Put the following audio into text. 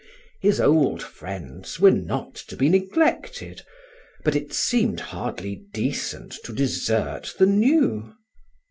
His old friends were not to be neglected, but it seemed hardly decent to desert the new.